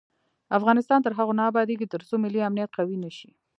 افغانستان تر هغو نه ابادیږي، ترڅو ملي امنیت قوي نشي.